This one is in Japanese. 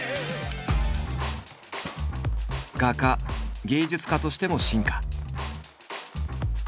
画家芸術家としても進化。